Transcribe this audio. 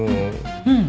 うん。